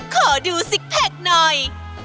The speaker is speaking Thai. ขอดูซิกแพคหน่อย